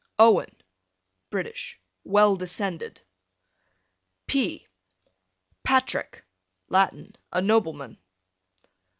Owen, British, well descended. P Patrick, Latin, a nobleman.